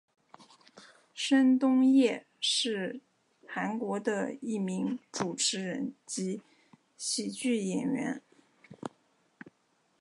申东烨是韩国的一名主持人及喜剧演员。